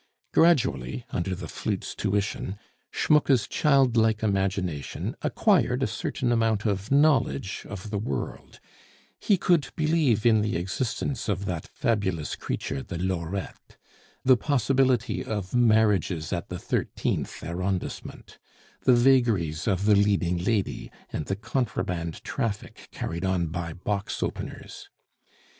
Gradually under the flute's tuition Schmucke's childlike imagination acquired a certain amount of knowledge of the world; he could believe in the existence of that fabulous creature the lorette, the possibility of "marriages at the Thirteenth Arrondissement," the vagaries of the leading lady, and the contraband traffic carried on by box openers.